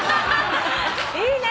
いいね！